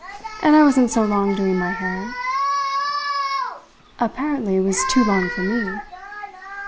"And I wasn't so long doing my hair." "Apparently it was too long for me."